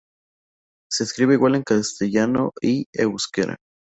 Se escribe igual en castellano y euskera.